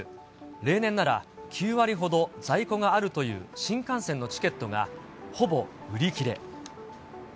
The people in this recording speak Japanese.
例年なら９割ほど在庫があるという新幹線のチケットがほぼ売り切れ。